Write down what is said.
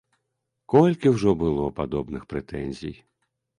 Колькі ўжо было падобных прэтэнзій.